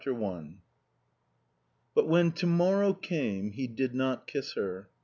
IV ROBERT i But when to morrow came he did not kiss her.